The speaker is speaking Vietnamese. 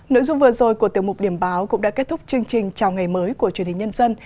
nội dung vừa rồi của tiêu mục điểm báo cũng đã kết thúc chương trình chào ngày mới của truyền hình nhân dân